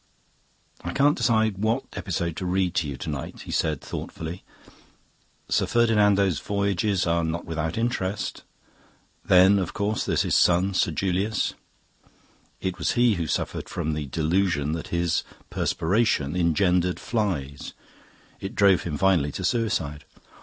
"I can't decide what episode to read you to night," he said thoughtfully. "Sir Ferdinando's voyages are not without interest. Then, of course, there's his son, Sir Julius. It was he who suffered from the delusion that his perspiration engendered flies; it drove him finally to suicide.